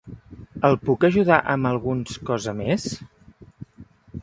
El puc ajudar amb alguns cosa més?